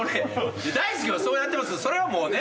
大輔はそうやってますけどそれはもうね。